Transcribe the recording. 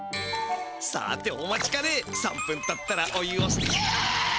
さてお待ちかね３分たったらお湯をすてゲッ！